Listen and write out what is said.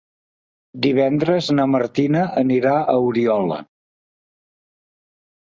Divendres na Martina anirà a Oriola.